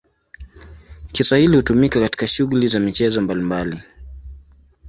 Kiswahili hutumika katika shughuli za michezo mbalimbali.